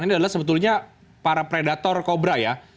ini adalah sebetulnya para predator kobra ya